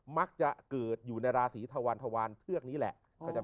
มักจะเกิดอยู่ในราศีธวันธวานเทือกนี้แหละ